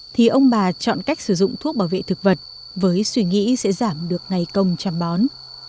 thì ông bà chọn cách sử dụng thuốc bảo vệ thực vật với suy nghĩ sẽ giảm được ngày công chăm bón